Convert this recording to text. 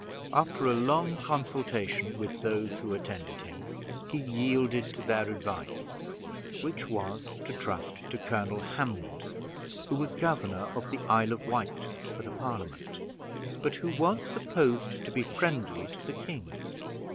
After a long consultation with those who attended him, he yielded to their advice, which was, to trust to Colonel Hammond, who was governor of the Isle of Wight for the Parliament, but who was supposed to be friendly to the king.